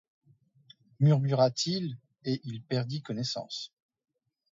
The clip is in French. murmura-t-il, et il perdit connaissance.